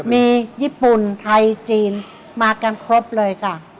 มีญี่ปุ่นไทยจีนมากันครบเลยค่ะ